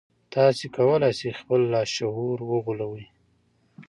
تاسې کولای شئ خپل لاشعور وغولوئ